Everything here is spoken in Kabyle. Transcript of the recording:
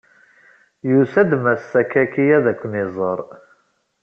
Yusa-d Mass Sakaki ad ken-iẓeṛ.